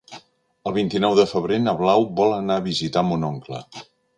El vint-i-nou de febrer na Blau vol anar a visitar mon oncle.